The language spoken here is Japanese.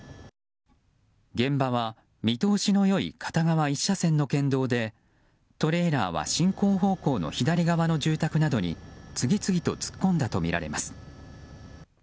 現場は見通しの良い片側１車線の県道でトレーラーは進行方向の左側の住宅などに次々と突っ込んだとみられます。